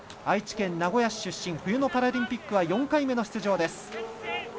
愛知県名古屋市出身冬のパラリンピックは４回目。